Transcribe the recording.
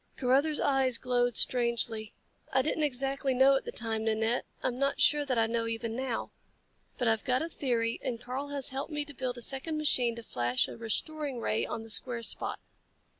Carruthers eyes glowed strangely. "I didn't exactly know at the time, Nanette. I'm not sure that I know even now. But I've got a theory and Karl has helped me to build a second machine to flash a restoring ray on the square spot.